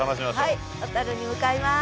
はい小樽に向かいます。